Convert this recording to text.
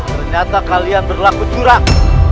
ternyata kalian berlaku curang